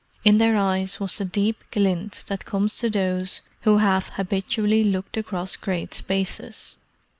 In their eyes was the deep glint that comes to those who have habitually looked across great spaces.